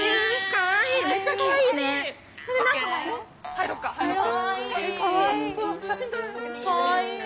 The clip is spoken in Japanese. かわいい。